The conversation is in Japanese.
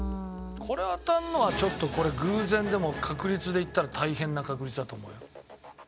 これ当たるのはちょっとこれ偶然でも確率でいったら大変な確率だと思うよ。